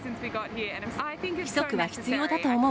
規則は必要だと思う。